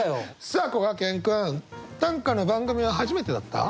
さあこがけん君短歌の番組は初めてだった？